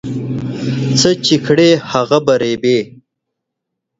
څه چي کرې، هغه به رېبې.